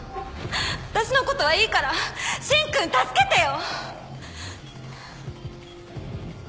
私のことはいいから芯君助けてよ！